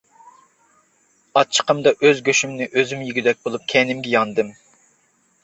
ئاچچىقىمدا ئۆز گۆشۈمنى ئۆزۈم يېگۈدەك بولۇپ، كەينىمگە ياندىم.